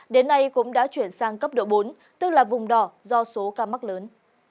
đến nay cũng đã chuyển sang cấp độ bốn tức là vùng đỏ do số ca mắc lớn